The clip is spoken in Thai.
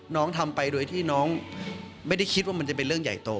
ทำไปโดยที่น้องไม่ได้คิดว่ามันจะเป็นเรื่องใหญ่โต